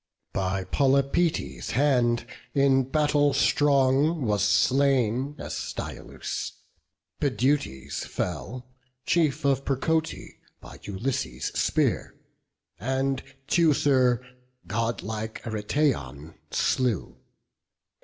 By Polypoetes' hand, in battle strong, Was slain Astyalus; Pidutes fell, Chief of Percote, by Ulysses' spear; And Teucer godlike Aretaon slew.